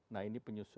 nah ini penyusul